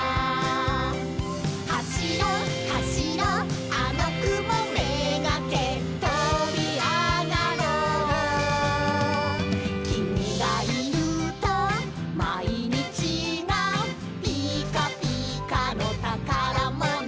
「はしろはしろあのくもめがけとびあがろう」「きみがいるとまいにちがピカピカのたからもの」